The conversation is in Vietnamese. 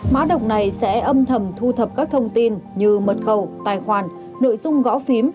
mã độc này sẽ âm thầm thu thập các thông tin như mật khẩu tài khoản nội dung gõ phím